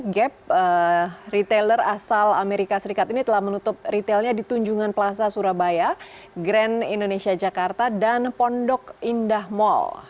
gap retailer asal amerika serikat ini telah menutup retailnya di tunjungan plaza surabaya grand indonesia jakarta dan pondok indah mall